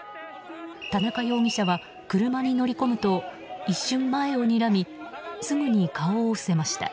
田中容疑者は車に乗り込むと一瞬、前をにらみすぐに顔を伏せました。